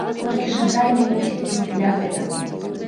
Толькі жаданне мусіць быць для гэтага.